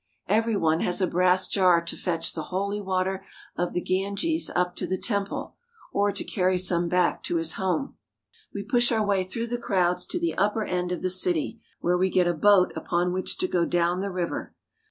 Every one has a brass jar to fetch the holy water of the Ganges up to the temple, or to carry some back to his home. We push our way through the crowds to the upper end of the city, where we get a boat upon which to go down the river.